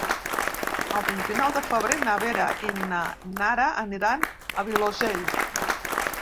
El vint-i-nou de febrer na Vera i na Nara aniran al Vilosell.